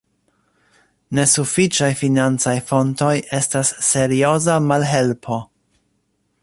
Nesufiĉaj financaj fontoj estas serioza malhelpo.